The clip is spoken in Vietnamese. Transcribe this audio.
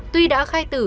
tuy đã khai tử